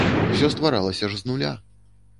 Усё стваралася ж з нуля.